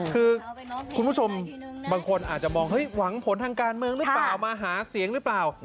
คือคุณผู้ชมบางคนอาจจะมองเฮ้ยหวังผลทางการเมืองหรือเปล่ามาหาเสียงหรือเปล่า